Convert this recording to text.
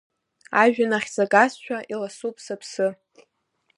Ажәҩан ахь сагазшәа, иласуп сыԥсы.